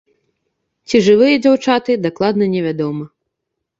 Ці жывыя дзяўчаты, дакладна не вядома.